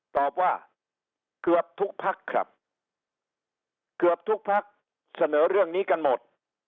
ตอบว่าเกือบทุกพักครับเกือบทุกพักเสนอเรื่องนี้กันหมด